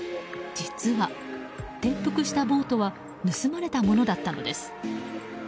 実は転覆したボートは盗まれたものだったのです。